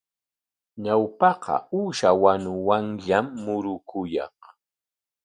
Ñawpaqa uusha wanuwanllam murukuyaq.